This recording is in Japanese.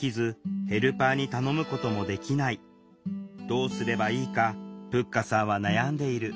どうすればいいかぷっかさんは悩んでいる